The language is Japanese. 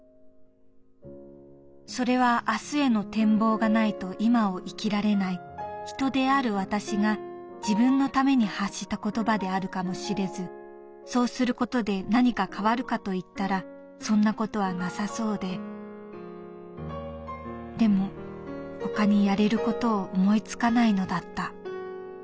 「それは明日への展望がないと今を生きられない人である私が自分のために発した言葉であるかも知れずそうすることで何か変わるかといったらそんなことはなさそうででも他にやれることを思いつかないのだった」。